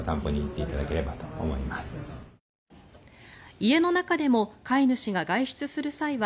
家の中でも飼い主が外出する際は